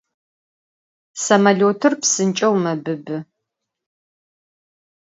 Samolötır psınç'eu mebıbı.